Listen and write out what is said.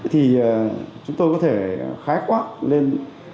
thì chúng tôi có thể khái quát lên